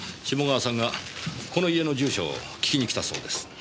志茂川さんがこの家の住所を訊きに来たそうです。